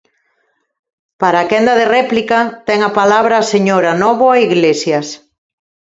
Para a quenda de réplica ten a palabra a señora Nóvoa Iglesias.